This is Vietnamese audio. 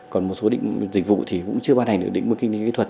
còn một số dịch vụ thì cũng chưa ban hành được định mức kinh tế kỹ thuật